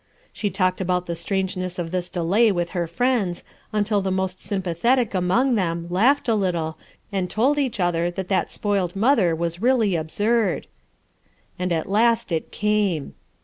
She talked about the strangeness of this delay with her friends, until the most sympathetic among them laughed a little and told each other that that spoiled mother was really absurd! And at last it came.